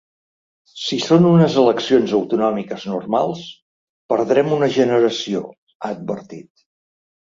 Si són unes eleccions autonòmiques normals, perdrem una generació, ha advertit.